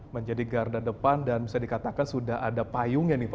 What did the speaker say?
menjadi garda depan dan bisa dikatakan sudah ada payungnya nih pak